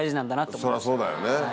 それはそうだよね。